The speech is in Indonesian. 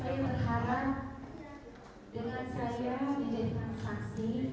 saya berharap dengan saya yang menjadi saksi